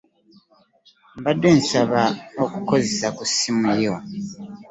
Mbadde nsaba kukozesa ku simu yo.